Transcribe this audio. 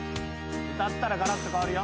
歌ったらがらっと変わるよ。